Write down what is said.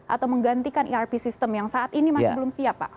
atau menggantikan erp system yang saat ini masih belum siap pak